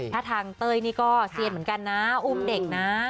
ถ้าทางเต้ยนี่ก็เซียนเหมือนกันนะอุ้มเด็กนะ